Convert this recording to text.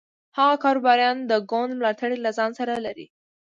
هغه کاروباریان د ګوند ملاتړ له ځان سره لري.